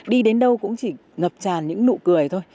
đi đến đâu cũng chỉ ngập tràn những nụ cười thôi